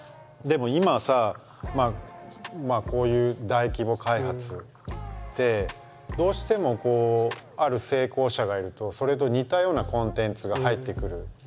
でも今さこういう大規模開発ってどうしてもある成功者がいるとそれと似たようなコンテンツが入ってくる。